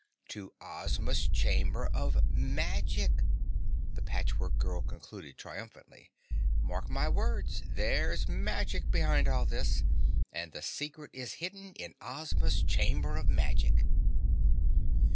To Ozma's Chamber of Magic!" The Patchwork Girl concluded triumphantly, "Mark my words there's magic behind all this, and the secret is hidden in Ozma's Chamber of Magic."